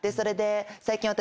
最近私。